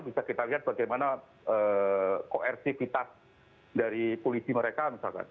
bisa kita lihat bagaimana koersifitas dari polisi mereka misalkan